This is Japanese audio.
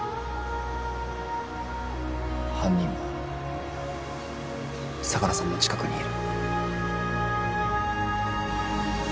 犯人は相良さんの近くにいる。